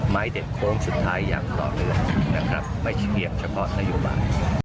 เด็ดโค้งสุดท้ายอย่างต่อเนื่องนะครับไม่ใช่เพียงเฉพาะนโยบาย